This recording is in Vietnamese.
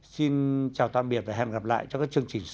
xin chào tạm biệt và hẹn gặp lại trong các chương trình sau